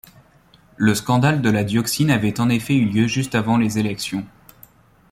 Le scandale de la dioxine avait en effet eu lieu juste avant les élections.